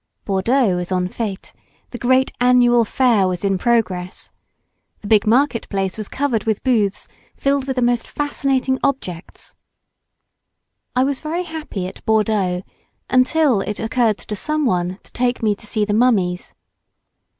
Bordeaux was en fête—the great annual fair was in progress. The big market place was covered with booths filled with the most fascinating objects. I was very happy at Bordeaux until it occurred to some one to take me to see the mummies.